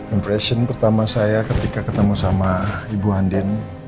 impression pertama saya ketika ketemu sama ibu handan